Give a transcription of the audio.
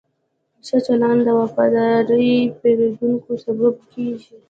ښه چلند د وفادار پیرودونکو سبب کېږي.